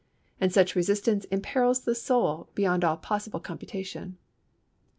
And such resistance imperils the soul beyond all possible computation.